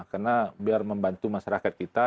karena biar membantu masyarakat kita